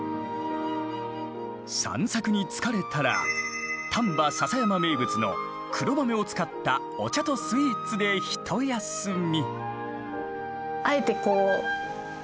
散策に疲れたら丹波篠山名物の黒豆を使ったお茶とスイーツで一休み。